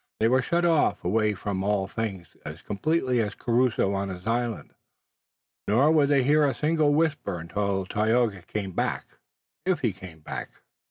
They were shut away from all things as completely as Crusoe on his island. Nor would they hear a single whisper until Tayoga came back if he came back.